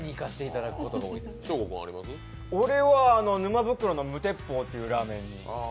俺は沼袋の無鉄砲というラーメン屋さんに。